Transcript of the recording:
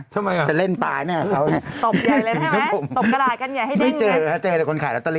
ทำไมนะครับเขาตบใหญ่เลยใช่ไหมตบกระดาษกันไง